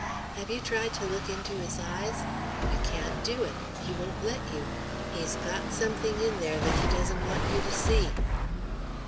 "Have you tried to look into his eyes? You can't do it. He won't let you. He's got something in there that he doesn't want you to see."